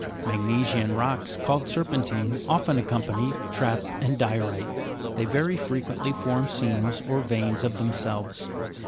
Magne sian rocks, called ser'pentine, often accompany trap and di'orite ; they very frequently form seams or veins of themselves.